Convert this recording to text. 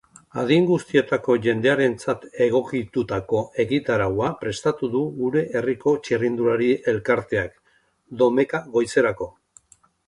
Adin guztietako jendearentzat egokitutako egitaraua prestatu du gure herriko txirrindulari elkarteak domeka goizerako.